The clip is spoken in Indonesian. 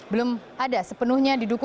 belum ada sepenuhnya didukung